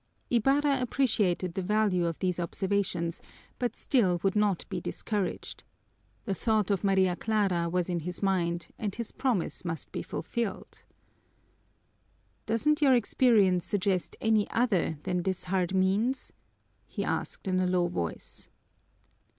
Ibarra appreciated the value of these observations, but still would not be discouraged. The thought of Maria Clara was in his mind and his promise must be fulfilled. "Doesn't your experience suggest any other than this hard means?" he asked in a low voice.